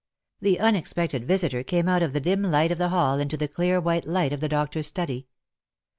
The unexpected visitor came out of the dim light of the hall into the clear white light of the doctor's study.